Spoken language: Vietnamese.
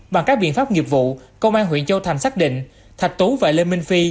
bằng các biện pháp nghiệp vụ công an huyện châu thành xác định thạch tú và lê minh phi